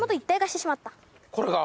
これが？